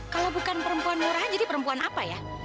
kalau bukan perempuan murah jadi perempuan apa ya